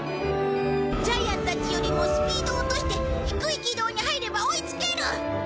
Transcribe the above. ジャイアンたちよりもスピードを落として低い軌道に入れば追いつける！